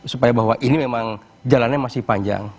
supaya bahwa ini memang jalannya masih panjang